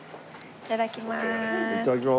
いただきます！